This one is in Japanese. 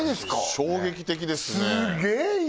衝撃的ですね